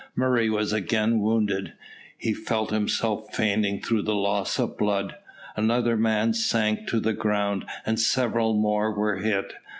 Murray was again wounded. He felt himself fainting through the loss of blood. Another man sank to the ground, and several more were hit.